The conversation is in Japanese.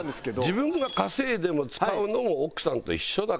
自分が稼いでも使うのは奥さんと一緒だから。